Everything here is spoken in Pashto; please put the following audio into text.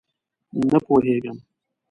_نه پوهېږم!